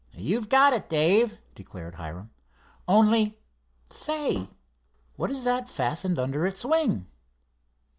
"You've got it, Dave," declared Hiram, "only, say, what is that fastened under its wing?"